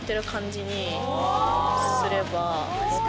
すれば。